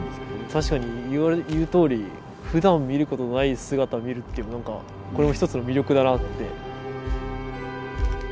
確かに言うとおりふだん見ることない姿見るっていうなんかこれも一つの魅力だなって。